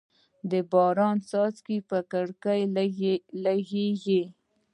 د باران څاڅکي پر کړکۍ لګېږي.